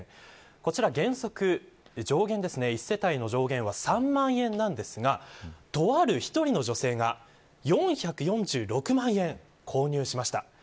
こちら原則上限、一世帯の上限は３万円なんですがとある１人の女性が４４６万円、購入しました。